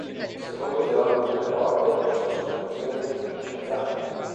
Secondo The Hollywood Reporter, la sua supervisione del film Shazam!